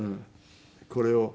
これを。